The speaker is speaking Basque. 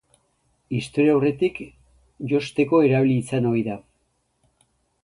Historiaurretik, josteko erabili izan ohi da.